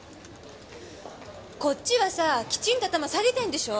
こっちはさぁきちんと頭下げてんでしょ？